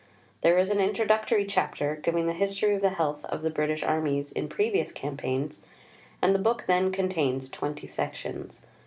There is an Introductory Chapter giving the history of the health of the British armies in previous campaigns, and the book then contains twenty sections.